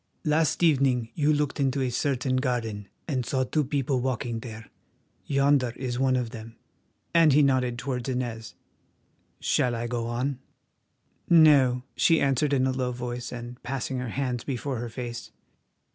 "Last evening you looked into a certain garden and saw two people walking there—yonder is one of them," and he nodded towards Inez. "Shall I go on?" "No," she answered in a low voice, and passing her hands before her face.